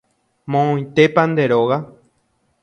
Moõitépa nde róga.